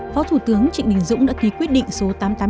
phó thủ tướng trịnh bình dũng đã ký quyết định số tám trăm tám mươi năm